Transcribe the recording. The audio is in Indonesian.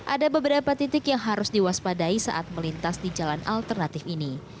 ada beberapa titik yang harus diwaspadai saat melintas di jalan alternatif ini